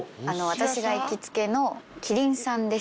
私が行きつけの喜鈴さんです。